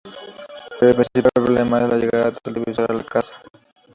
Pero el principal problema es la llegada del televisor a la casa.